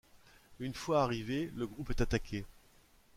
Une fois arrivée, le groupe est attaqué.